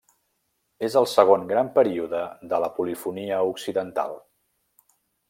És el segon gran període de la polifonia occidental.